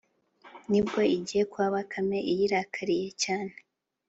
ni bwo igiye kwa bakame iyirakariye cyane.